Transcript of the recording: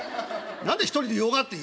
何で１人でよがって」。